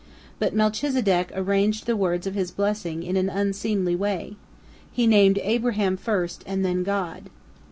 But Melchizedek arranged the words of his blessing in an unseemly way. He named Abraham first and then God.